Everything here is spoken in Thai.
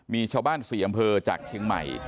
มีชาวบ้าน๔อำเภอจากเชียงใหม่